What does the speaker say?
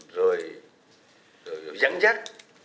rồi rắn rắt